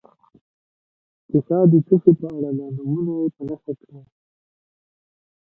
کیسه د څه شي په اړه ده نومونه په نښه کړي.